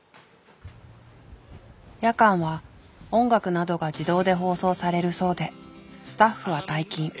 夜間は音楽などが自動で放送されるそうでスタッフは退勤。